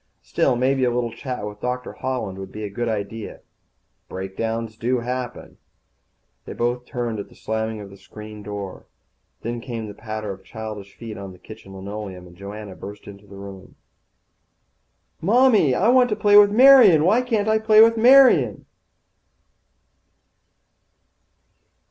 Still, maybe a little chat with Doctor Holland would be a good idea. Breakdowns do happen. They both turned at the slamming of the screen door. Then came the patter of childish feet on the kitchen linoleum, and Joanna burst into the room. "Mommy, I want to play with Marian. Why can't I play with Marian?"